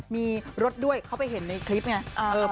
มีรถด้วยเขาไปเห็นในคลิปไง